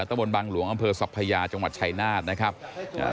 ตะบนบางหลวงอำเภอสัพพยาจังหวัดชายนาฏนะครับอ่า